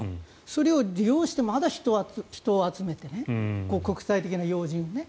それを利用してまだ人を集めて国際的な要人をね。